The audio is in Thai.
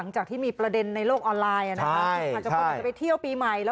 ก็ชี้แจงกับคนขายบอกว่า